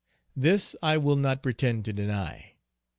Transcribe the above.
This I will not pretend to deny.